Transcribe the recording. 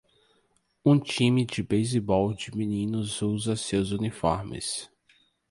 Um time de beisebol de meninos usa seus uniformes.